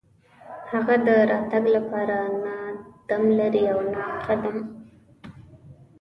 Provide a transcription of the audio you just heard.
هغه د راتګ لپاره نه دم لري او نه قدم.